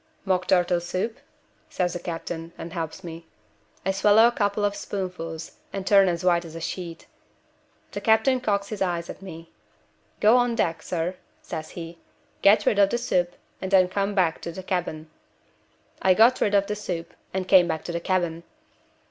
'Mock turtle soup?' says the captain, and helps me. I swallow a couple of spoonfuls, and turn as white as a sheet. The captain cocks his eye at me. 'Go on deck, sir,' says he; 'get rid of the soup, and then come back to the cabin.' I got rid of the soup, and came back to the cabin.